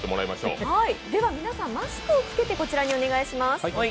皆さん、マスクを着けてこちらにお願いします。